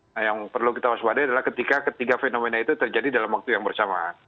nah yang perlu kita waspadai adalah ketika ketiga fenomena itu terjadi dalam waktu yang bersamaan